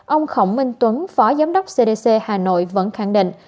ông khổng minh tuấn phó giám đốc cdc hà nội vẫn khẳng định